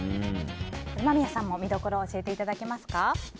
間宮さんも見どころを教えていただけますか。